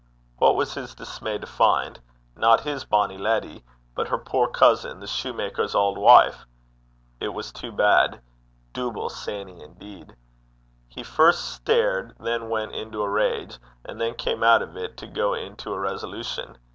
What was his dismay to find not his bonny leddy, but her poor cousin, the soutar's auld wife! It was too bad. Dooble Sanny indeed! He first stared, then went into a rage, and then came out of it to go into a resolution.